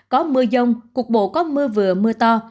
có mưa rông cục bộ có mưa vừa mưa to